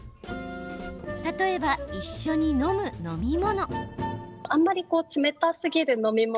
例えば、一緒に飲む飲み物。